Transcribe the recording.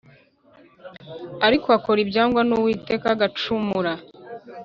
Ariko akora ibyangwa n’uwiteka agacumura